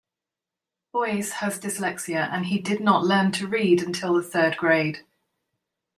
Boies has dyslexia and he did not learn to read until the third grade.